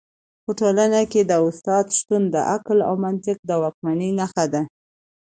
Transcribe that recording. په ټولنه کي د استاد شتون د عقل او منطق د واکمنۍ نښه ده.